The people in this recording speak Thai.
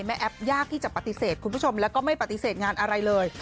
แอปยากที่จะปฏิเสธคุณผู้ชมแล้วก็ไม่ปฏิเสธงานอะไรเลย